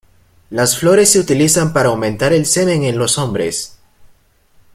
Las flores se utilizan para aumentar el semen en los hombres.